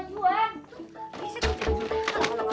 ayu tuh gak mau ketemu sama juan